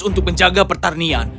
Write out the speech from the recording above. untuk menjaga pertanian